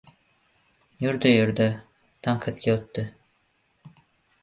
Yurdi-yurdi... Tanqidga o‘tdi.